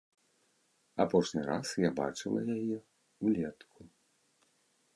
Апошні раз я бачыла яе ўлетку.